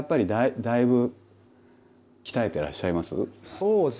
そうですね。